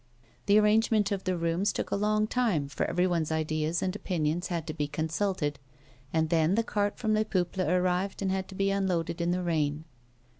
The arrangement of the rooms took a long time, for everyone's ideas and opinions had to be consulted, and then the cart from Les Peuples arrived, and had to be unloaded in the rain.